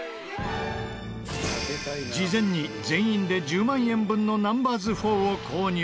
事前に全員で１０万円分のナンバーズ４を購入！